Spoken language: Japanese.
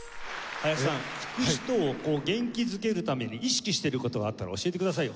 林さん聴く人を元気づけるために意識している事があったら教えてくださいよ